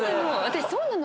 そうなの。